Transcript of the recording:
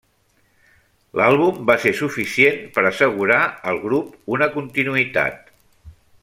L'àlbum va ser suficient per a assegurar al grup una continuïtat.